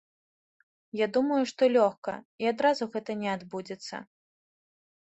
Я думаю, што лёгка, і адразу гэта не адбудзецца.